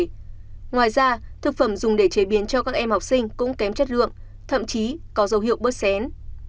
ngoài ra thực phẩm dùng để chế biến cho các em học sinh cũng kém chất lượng thậm chí có dấu hiệu bớt xén